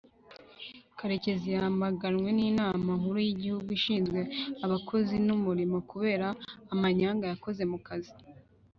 Karekezi yamaganwe n Inama Nkuru y Igihugu ishinzwe abakozi n’umurimo kubera amanyanga ya kozi mukazi